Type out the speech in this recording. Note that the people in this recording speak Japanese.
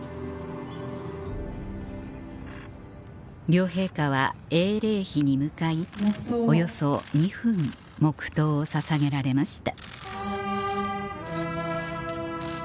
両陛下は英霊碑に向かいおよそ２分黙とうをささげられました